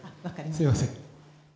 すみません。